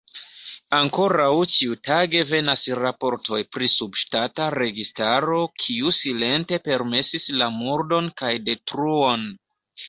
Ankoraŭ ĉiutage venas raportoj pri subŝtata registaro, kiu silente permesis la murdon kaj detruon.